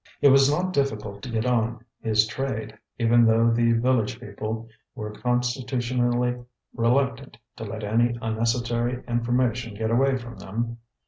It was not difficult to get on his trade, even though the village people were constitutionally reluctant to let any unnecessary information get away from them.